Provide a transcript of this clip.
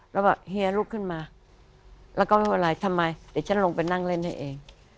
แล้วแบบเฮียลุกขึ้นมาแล้วก็ไม่เป็นไรทำไมเดี๋ยวฉันลงไปนั่งเล่นให้เอง